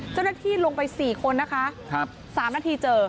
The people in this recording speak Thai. เจ้าหน้าที่ลงไป๔คนนะคะ๓นาทีเจอ